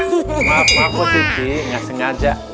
maaf maaf positi gak sengaja